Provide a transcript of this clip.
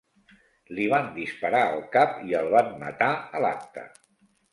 Li van disparar al cap i el van matar a l'acte.